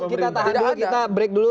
kita tahan dulu kita break dulu